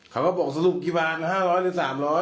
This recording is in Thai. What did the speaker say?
เขาก็บอกสรุปกี่วัน๕๐๐หรือ๓๐๐